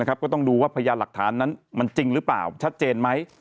ก็ต้องดูว่าพยานหลักฐานนั้นมันจริงหรือเปล่าชัดเจนไหม